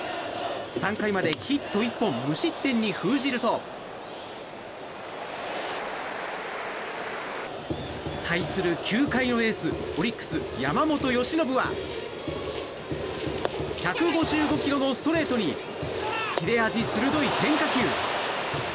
３回までヒット１本無失点に封じると対する球界のエースオリックス、山本由伸は１５５キロのストレートに切れ味鋭い変化球。